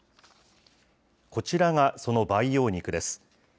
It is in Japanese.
こちらがその培養肉です。